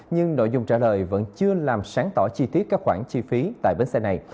nhưng nội dung trả lời vẫn chưa làm sáng tỏ chi tiết các khoản chi phí tại bến xe này